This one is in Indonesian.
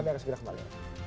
kami akan segera kembali